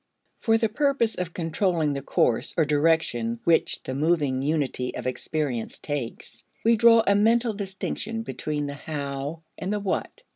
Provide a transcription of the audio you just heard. For the purpose of controlling the course or direction which the moving unity of experience takes we draw a mental distinction between the how and the what.